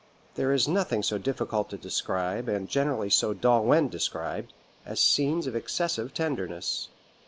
"There is nothing so difficult to describe, and generally so dull when described, as scenes of excessive tenderness."